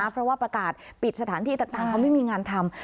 เพราะว่าประกาศปิดสถานที่ต่างเขาไม่มีงานทำ